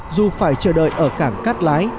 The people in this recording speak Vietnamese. dù phải chờ đợi ở cảng cát lái